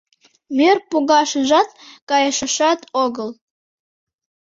Мӧр погашыжат кайышашат огыл.